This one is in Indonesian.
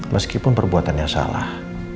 meskipun perbuatannya salah